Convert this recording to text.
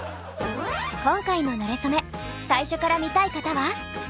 今回の「なれそめ」最初から見たい方は。